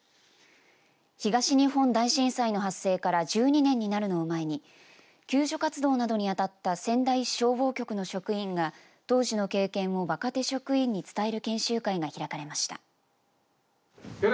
東日本大震災の発生から１２年になるのを前に救助活動などに当たった仙台市消防局の職員が当時の経験を若手職員に伝える研修会が開かれました。